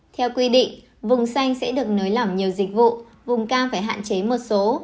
theo quy định vùng xanh sẽ được nới lỏng nhiều dịch vụ vùng cao phải hạn chế một số